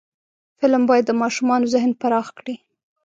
فلم باید د ماشومانو ذهن پراخ کړي